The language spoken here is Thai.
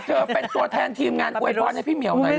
เจอเป็นตัวแทนทีมงานอวยพรท์ให้พี่เมียวหน่อยได้ครับ